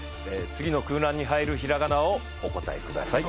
次の空欄に入るひらがなをお答えください